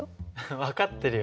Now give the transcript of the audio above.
分かってるよ。